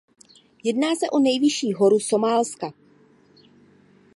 Jedná se o nejvyšší horu Somálska.